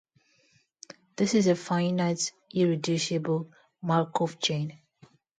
This is a finite irreducible Markov chain.